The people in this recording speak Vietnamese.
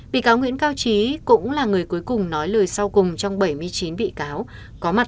bị cáo nguyễn cao trí cũng là người cuối cùng nói lời sau cùng trong bảy mươi chín bị cáo có mặt